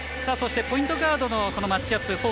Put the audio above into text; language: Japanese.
そしてポイントガードのマッチアップ